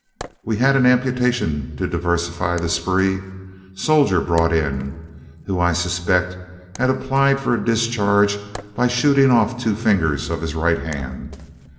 We had an amputation to diversify the spree, soldier brought in, who I suspect had applied for a discharge by shooting off two fingers of his right hand.